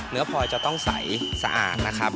พลอยจะต้องใสสะอาดนะครับ